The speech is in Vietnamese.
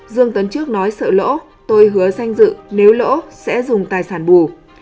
dương tấn trước nói sợ lỗ tôi hứa danh dự nếu lỗ sẽ dùng tài sản bù